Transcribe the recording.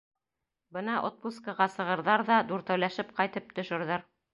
Бына отпускыға сығырҙар ҙа дүртәүләшеп ҡайтып төшөрҙәр.